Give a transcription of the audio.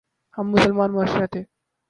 ہم مسلمان معاشرہ تھے۔